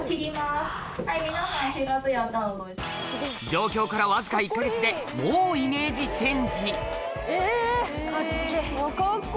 上京からわずか１か月でもうイメージチェンジえ！